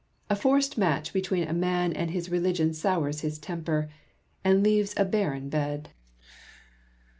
A forced match between a man and his religion sours his temper, and leaves a barren bed.